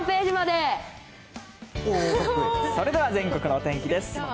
それでは、全国のお天気です。